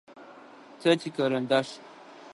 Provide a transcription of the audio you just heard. Тэ тикарандаш.